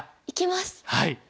行きます！